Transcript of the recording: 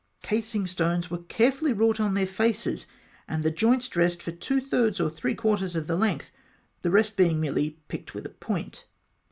Casing stones were carefully wrought on the faces, and the joints dressed for two thirds or three quarters of the length, the rest being merely picked with a point (Note 6).